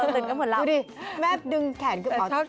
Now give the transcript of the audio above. ตื่นเหมือนหลับ